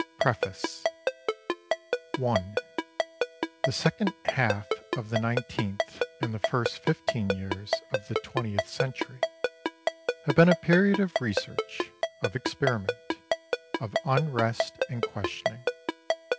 PREFACE I The second half of the nineteenth and the first fifteen years of the twentieth century have been a period of research, of experiment, of unrest and questioning.